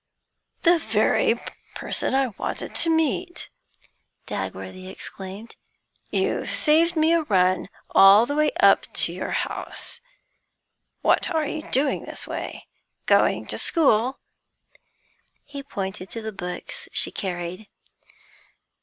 'The very person I wanted to meet!' Dagworthy exclaimed. 'You've saved me a run all the way up to your house. What are you doing this way? Going to school?' He pointed to the books she carried.